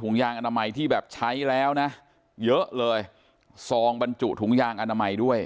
ถุงยางอนามัยที่แบบใช้แล้วนะเยอะเลยซองบรรจุถุงยางอนามัยด้วย